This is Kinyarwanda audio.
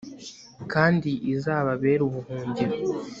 kandi izababere ubuhungiro